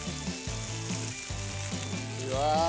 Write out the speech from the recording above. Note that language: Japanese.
うわ！